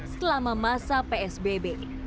selama masa psbb